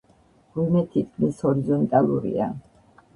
მღვიმე თითქმის ჰორიზონტალურია.